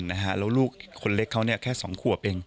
แล้วลูกคนเล็กเขาแค่๒ขวบเอง